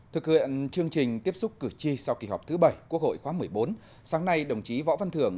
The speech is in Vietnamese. thực hiện chương trình tiếp xúc cử tri sau kỳ họp thứ bảy quốc hội khóa một mươi bốn sáng nay đồng chí võ văn thưởng